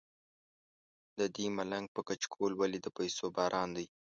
ددې ملنګ په کچکول ولې د پیسو باران دی.